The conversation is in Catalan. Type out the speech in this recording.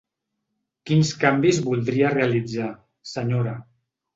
Quins canvis voldria realitzar, senyora.